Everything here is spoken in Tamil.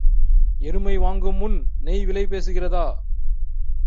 எருமை வாங்கும்முன் நெய் விலை பேசுகிறதா?